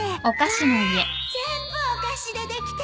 全部お菓子でできてる！